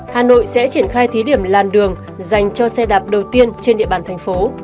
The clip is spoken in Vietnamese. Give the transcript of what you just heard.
hà nội sẽ triển khai thí điểm làn đường dành cho xe đạp đầu tiên trên địa bàn thành phố